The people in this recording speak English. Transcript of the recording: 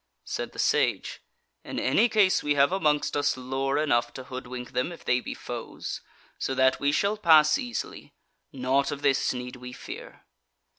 Said the Sage: "In any case we have amongst us lore enough to hoodwink them if they be foes; so that we shall pass easily. Naught of this need we fear."